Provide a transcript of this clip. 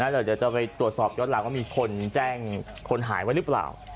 เดี๋ยวจะไปตรวจสอบย้อนหลังว่ามีคนแจ้งคนหายไว้หรือเปล่า